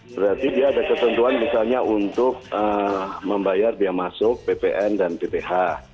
berarti dia ada ketentuan misalnya untuk membayar biaya masuk ppn dan pph